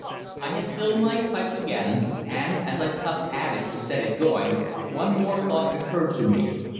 I had filled my pipe again, and, as I puffed at it to set it going, one more thought occurred to me.